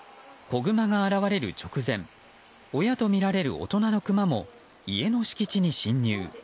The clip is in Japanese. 子グマが現れる直前親とみられる大人のクマも家の敷地に侵入。